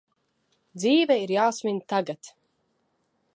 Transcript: Dzīve ir jāsvin tagad!